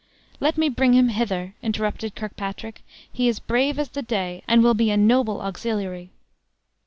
"Let me bring him hither!" interrupted Kirkpatrick; "he is brave as the day, and will be a noble auxiliary."